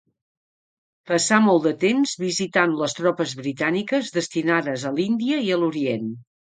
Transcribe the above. Passà molt de temps visitant les tropes britàniques destinades a l'Índia i a l'Orient.